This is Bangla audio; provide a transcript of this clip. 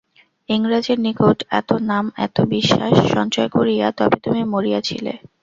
ইংরাজের নিকট এত নাম এত বিশ্বাস সঞ্চয় করিয়া তবে তুমি মরিয়াছিলে!